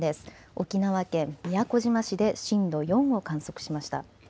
沖縄県宮古島市で震度４を観測しました。